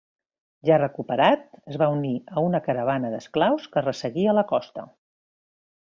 Ja recuperat, es va unir a una caravana d'esclaus que resseguia la costa.